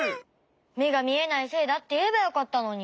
めがみえないせいだっていえばよかったのに。